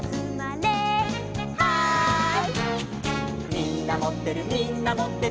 「みんなもってるみんなもってる」